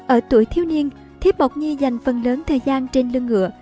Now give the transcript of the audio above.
ở tuổi thiếu niên thiếp mộc nhi dành phần lớn thời gian trên lưng ngựa